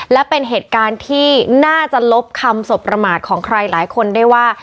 และเป็นเหตุการณ์ที่น่าจะลบคำสบประมาทของใครหลายคนได้ว่า